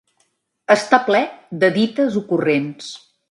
Està ple de dites ocurrents.